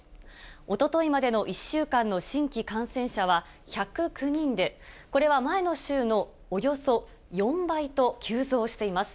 おとといまでの１週間の新規感染者は１０９人で、これは、前の週のおよそ４倍と急増しています。